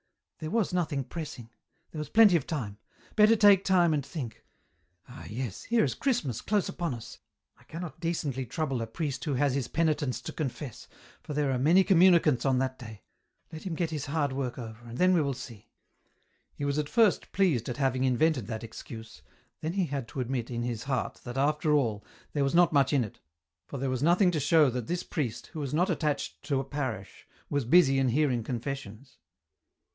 " There was nothing pressing ; there was plenty of time ; better take time and think ; ah, yes, here is Christmas close upon us, I cannot decently trouble a priest who has his penitents to confess, for there are many communicants on that day. Let him get his hard work over, and then we will see." He was at first pleased at having invented that excuse, then he had to admit in his heart that, after all, there was not much in it, for there was nothing to show that this priest, who was not attached to a parish, was busy in hearing confessions.